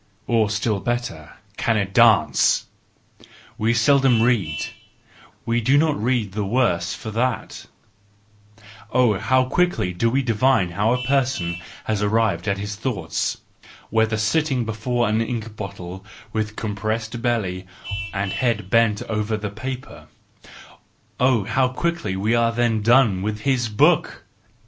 or still better: Can it dance? ... We seldom read ; we do not read the worse for that —oh, how quickly do we divine how a person has arrived at his thoughts :—whether sitting before an ink bottle with compressed belly and head bent over the paper: oh, how quickly we are then done with his book!